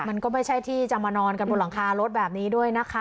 มันก็ไม่ใช่ที่จะมานอนกันบนหลังคารถแบบนี้ด้วยนะคะ